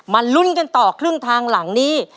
ลุ้นกันต่อครึ่งทางหลังนี้